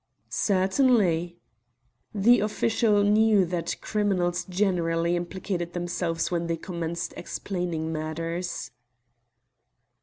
"Certainly." The official knew that criminals generally implicated themselves when they commenced explaining matters.